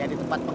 ada apa be